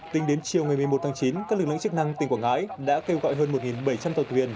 tính đến chiều ngày một mươi một tháng chín các lực lượng chức năng tỉnh quảng ngãi đã kêu gọi hơn một bảy trăm linh tàu thuyền